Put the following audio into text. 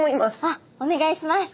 あっお願いします。